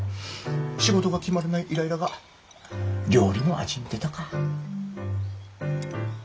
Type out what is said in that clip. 仕事が決まらないイライラが料理の味に出たか。